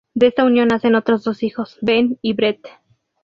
De esta unión nacen otros dos hijos: "Ben" y "Brett".